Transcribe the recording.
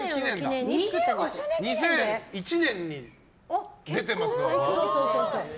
２００１年に出てますよ。